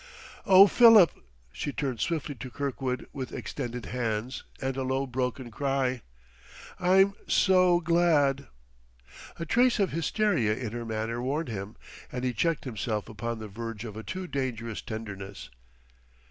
"Oh, Philip!" She turned swiftly to Kirkwood with extended hands and a low, broken cry. "I'm so glad...." A trace of hysteria in her manner warned him, and he checked himself upon the verge of a too dangerous tenderness.